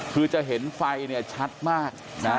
คือจะเห็นไฟชัดมากนะ